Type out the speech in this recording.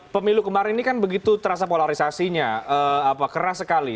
pemilu kemarin ini kan begitu terasa polarisasinya keras sekali